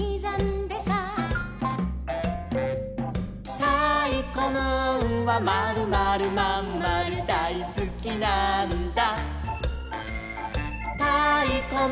「たいこムーンはまるまるまんまるさがしにきたのさ」